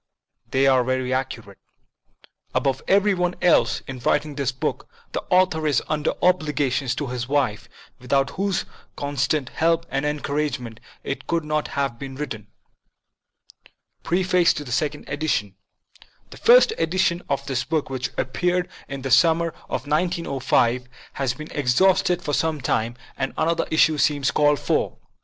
They are very accurate. Above every one else, in writing this book, the author is under obligations to his wife, without whose constant help and encouragement it could not have been written. DAVID P. BARROWS. MANILA, PHILIPPINE ISLANDS, MARCH IST, 1903. PREFACE TO THE SECOND EDITION THE first edition of this book, which appeared in the summer of 1905, has been exhausted for some time, and another issue seems called for.